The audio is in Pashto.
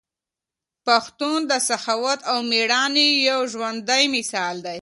پښتون د سخاوت او ميړانې یو ژوندی مثال دی.